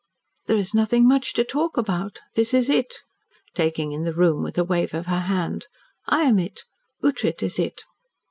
"There is nothing much to talk about. This is it " taking in the room with a wave of her hand. "I am it. Ughtred is it."